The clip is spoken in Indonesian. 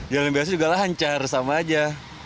jalan biasa juga lancar sama aja